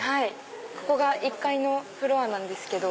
ここが１階のフロアなんですけど。